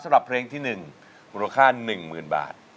สำหรับเพลงที่๑มูลค่า๑๐๐๐บาท